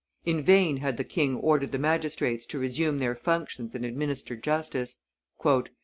In vain had the king ordered the magistrates to resume their functions and administer justice.